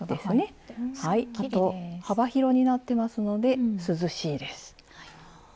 あと幅広になってますので涼しいです。